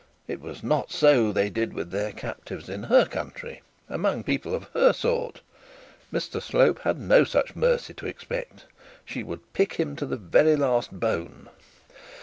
It was not so they did with their captives in her country, among people of her sort! Mr Slope had no such mercy to expect; she would pick him to the very last bone.